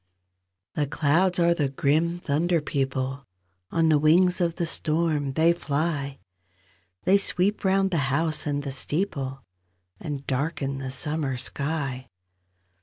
C he clouds are the grim thunder people; On the wings of the storm they fly; They sweep round the house and the steeple, And darken the summer sky.